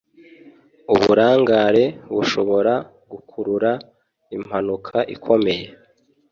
Uburangare bushobora gukurura impanuka ikomeye.